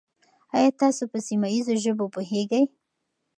آیا تاسو په سیمه ییزو ژبو پوهېږئ؟